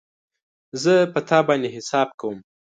زه په تا باندی حساب کوم